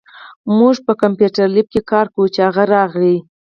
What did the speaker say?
مونږ په کمپیوټر لېب کې کار کوو، چې هغه راغی